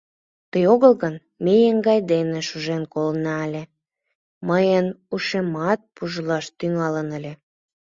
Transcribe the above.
Тый огыл гын, ме еҥгай дене шужен колена ыле, мыйын ушемат пужлаш тӱҥалын ыле.